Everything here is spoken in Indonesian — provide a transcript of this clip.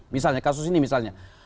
misalnya kasus ini misalnya